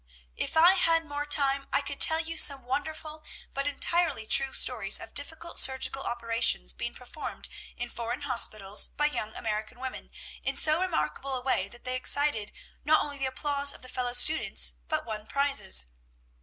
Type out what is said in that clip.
"If I had more time I could tell you some wonderful but entirely true stories of difficult surgical operations being performed in foreign hospitals by young American women in so remarkable a way that they excited not only the applause of the fellow students, but won prizes.